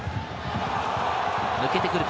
抜けてくるか？